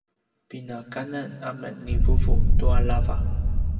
pinakanan amen ni vuvu tua lava